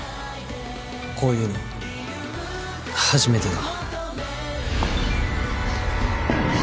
こういうの初めてだ。